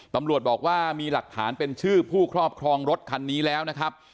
ตำรวจบอกว่ามีหลักฐานเป็นชื่อผู้ครอบครองรถคันนี้แล้วนะครับ